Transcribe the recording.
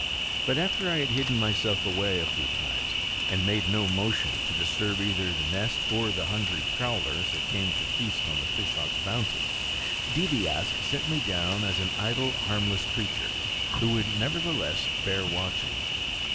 But after I had hidden myself away a few times, and made no motion to disturb either the nest or the hungry prowlers that came to feast on the fishhawks' bounty, Deedeeaskh set me down as an idle, harmless creature who would, nevertheless, bear watching.